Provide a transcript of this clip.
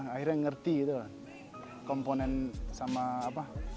akhirnya ngerti gitu kan komponen sama apa